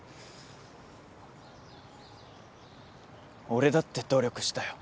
俺だって努力したよ。